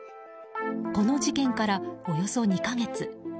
この事件からおよそ２か月。